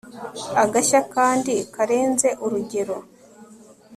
Agashya kandi karenze urugero